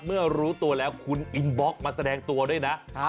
เมื่อรู้ตัวแล้วคุณอินบล็อกมาแสดงตัวด้วยนะ